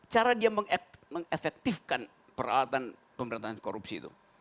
cara dia mengefektifkan peralatan pemerintahan korupsi itu